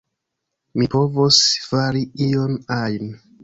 Mi povos fari ion ajn.